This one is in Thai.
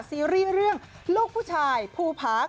ซีรีส์เรื่องลูกผู้ชายภูพาร์ค